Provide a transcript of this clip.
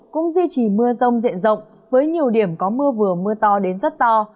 cũng duy trì mưa rông diện rộng với nhiều điểm có mưa vừa mưa to đến rất to